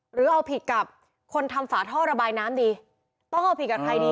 หรือเอาผิดกับคนทำฝาท่อระบายน้ำดีต้องเอาผิดกับใครดี